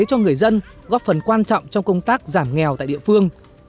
cho người dân góp phần quan trọng trong công tác giảm nghèo tại địa phương